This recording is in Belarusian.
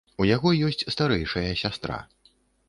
У яго ёсць старэйшая сястра.